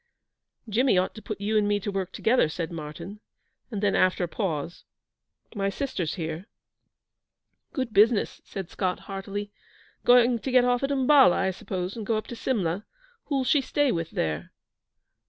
'Jimmy ought to put you and me to work together,' said Martyn; and then, after a pause: 'My sister's here.' 'Good business,' said Scott, heartily. 'Going to get off at Umballa, I suppose, and go up to Simla. Who'll she stay with there?'